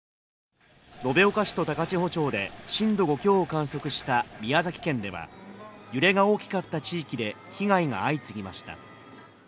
延岡市と高千穂町で震度５強を観測した宮崎県では揺れが大きかった地域で被害が相次ぎました。